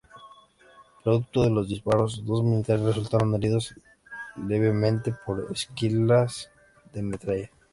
Producto de los disparos, dos militares resultaron heridos levemente por esquirlas de metralla.